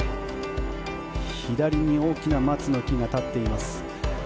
左に大きな松の木が立っています。